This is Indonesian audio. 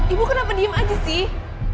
ibu kenapa diem aja sih